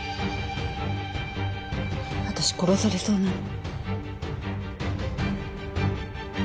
私殺されそうなの。